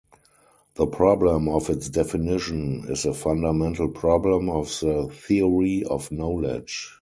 The problem of its definition is a fundamental problem of the theory of knowledge.